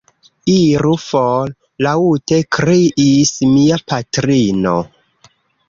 Iru for! laŭte kriis mia patrino.